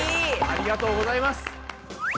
ありがとうございます。